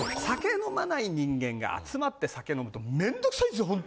酒飲まない人間が集まって酒飲むと面倒くさいですよ